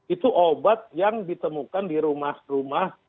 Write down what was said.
itu obat yang ditemukan di rumah rumah